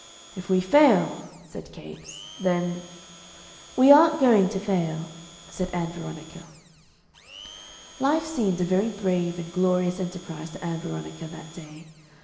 If we fail," said Capes, "then " "We aren't going to fail," said Ann Veronica. Life seemed a very brave and glorious enterprise to Ann Veronica that day.